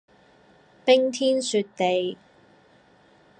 冰天雪地